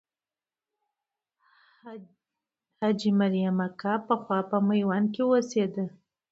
حاجي مریم اکا پخوا په میوند کې اوسېده.